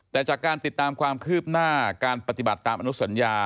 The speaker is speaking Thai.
แต่จากการติดตามความคืบหน้าการปฏิบัติตามอนุสัญญา